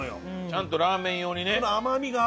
ちゃんとラーメン用にね。